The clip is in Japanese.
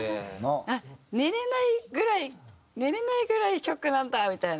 寝れないぐらい寝れないぐらいショックなんだみたいな。